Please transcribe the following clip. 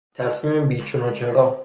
تصمیم بی چون و چرا